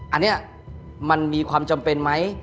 อันนี้มันมีความจำเป็นไหม